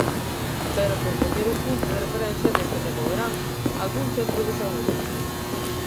Pero por poñer un punto de referencia deste mesmo verán, algún centro de saúde.